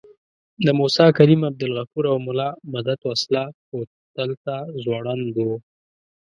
د موسی کلیم، عبدالغفور او ملا مدت وسله کوتل ته ځوړند وو.